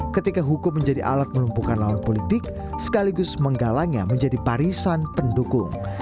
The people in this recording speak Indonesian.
ketika hukum menjadi alat menumpukan lawan politik sekaligus menggalangnya menjadi parisan pendukung